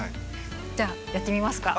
じゃあやってみますか。